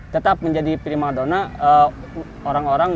tetap menjadi prima donna orang orang